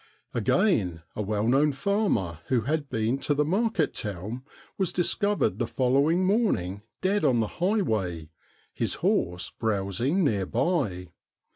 Again, a well known farmer who had been to the 88 STORIES WEIRD AND WONDERFUL market town was discovered the following morning dead on the highway, his horse browsing near by.